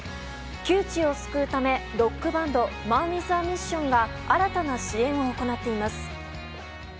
窮地を救うため、ロックバンドＭＡＮＷＩＴＨＡＭＩＳＳＩＯＮが新たな支援を行っています。